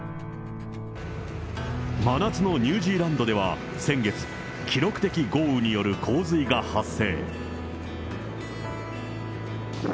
真夏のニュージーランドでは先月、記録的豪雨による洪水が発生。